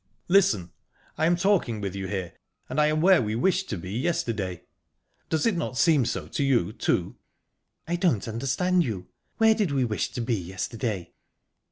"Listen! I am talking with you here, and I am where we wished to be yesterday. Does it not seem so to you, too?" "I don't understand you. Where did we wish to be yesterday?"